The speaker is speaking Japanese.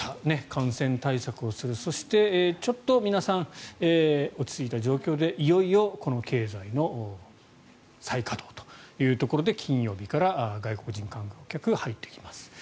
感染対策をするそして、ちょっと皆さん落ち着いた状況でいよいよ経済の再稼働というところで金曜日から外国人観光客、入ってきます。